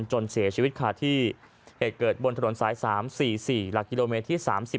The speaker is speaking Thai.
จนเสียชีวิตค่ะที่เหตุเกิดบนถนนสาย๓๔๔หลักกิโลเมตรที่๓๐